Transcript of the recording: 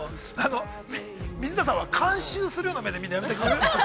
あの水田さんは監修するような目で見るの、やめてくれる？